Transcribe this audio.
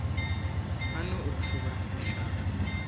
Hano, urashobora kubishaka.